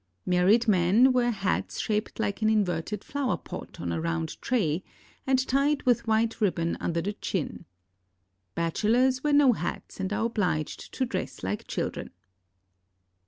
Married men wear hats shaped like an inverted flower pot on a round tray, and tied with white rib bon under the chin. Bachelors wear no hats and are obliged to dress like children.